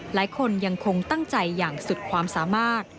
หลายคนยังคงตั้งใจอย่างสุดความสามารถ